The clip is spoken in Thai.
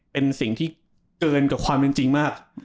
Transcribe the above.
เป็นสิ่งที่เกินกับความเป็นจริงมาก